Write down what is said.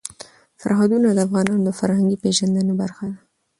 سرحدونه د افغانانو د فرهنګي پیژندنې برخه ده.